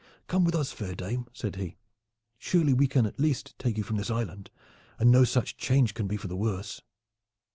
"Come with us, fair dame," said he. "Surely we can, at least, take you from this island, and no such change can be for the worse."